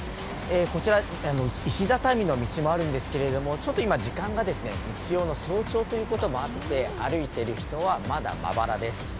こちら、石畳の道もあるんですけれども、ちょっと今、時間がですね、日曜の早朝ということもあって、歩いてる人はまだまばらです。